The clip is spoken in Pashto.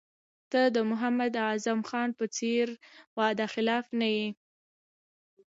ته د محمد اعظم خان په څېر وعده خلاف نه یې.